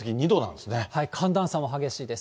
寒暖差も激しいです。